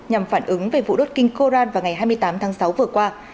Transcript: nhằm phản ứng về vụ đốt kinh koran vào ngày hai mươi tám tháng sáu vừa qua